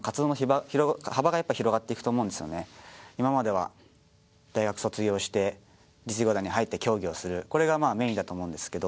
今までは大学卒業して実業団に入って競技をする、これがメーンだと思うんですけど。